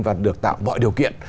và được tạo mọi điều kiện